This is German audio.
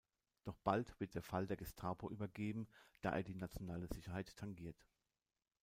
Doch bald wird der Fall der Gestapo übergeben, da er die nationale Sicherheit tangiert.